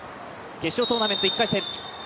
決勝トーナメント１回戦